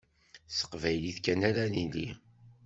S teqbaylit kan ara nili.